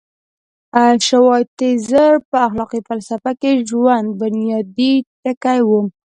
شوایتزر په اخلاقي فلسفه کې ژوند بنیادي ټکی و.